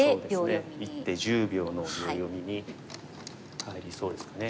そうですね一手１０秒の秒読みに入りそうですかね。